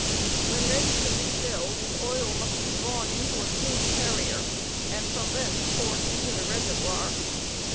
When ready to re fill, the oil must be drawn into a clean carrier and from thence poured into the reservoir.